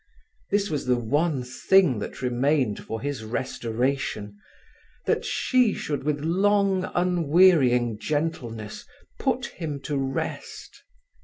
This was the one thing that remained for his restoration—that she should with long, unwearying gentleness put him to rest.